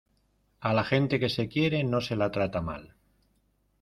a la gente que se quiere no se la trata mal.